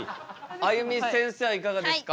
あゆみせんせいはいかがですか？